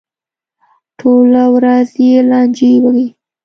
ټوله ورځ یې لانجې وي.